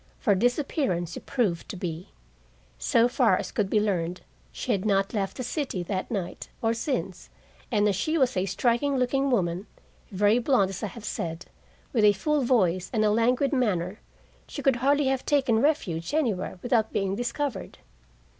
For disappearance it proved to be. So far as could be learned, she had not left the city that night, or since, and as she was a striking looking woman, very blond, as I have said, with a full voice and a languid manner, she could hardly have taken refuge anywhere without being discovered.